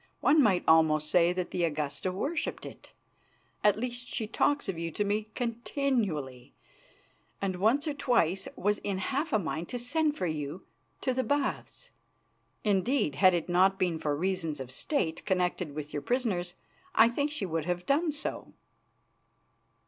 One might almost say that the Augusta worshipped it, at least she talks of you to me continually, and once or twice was in half a mind to send for you to the Baths. Indeed, had it not been for reasons of State connected with your prisoners I think she would have done so."